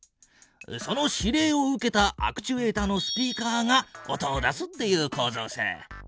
その指令を受けたアクチュエータのスピーカーが音を出すっていうこうぞうさ。